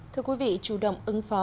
thưa quý vị chủ động ứng phó